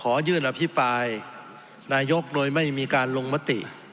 ขอยื่นอภิปรายนายกโดยไม่มีการลงมติ